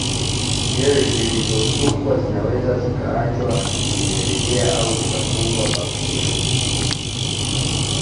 Nywele zilizosukwa zinaweza zikaachwa zimelegea au zikafungwa pamoja